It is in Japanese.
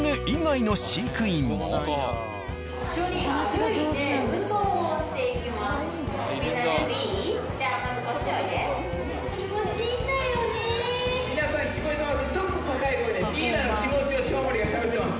みんな皆さん聞こえてます？